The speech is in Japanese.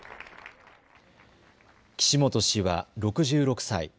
岸本氏は６６歳。